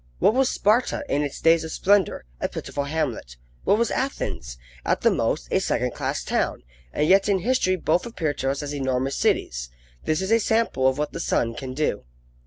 What was Sparta in its days of splendour? a pitiful hamlet. What was Athens? at the most, a second class town; and yet in history both appear to us as enormous cities. This is a sample of what the sun can do.